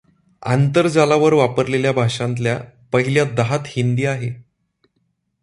आंतरजालावर वापरलेल्या भाषांतल्या पहिल्या दहात हिंदी आहे.